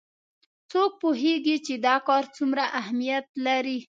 څوک پوهیږي چې دا کار څومره اهمیت لري